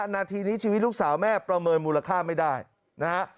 นาทีนี้ชีวิตลูกสาวแม่ประเมินมูลค่าไม่ได้นะฮะ